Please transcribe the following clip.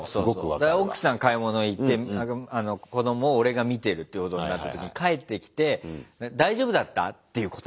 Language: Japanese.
奥さん買い物行って子供を俺が見てるってことになった時に帰ってきて「大丈夫だった？」っていう言葉。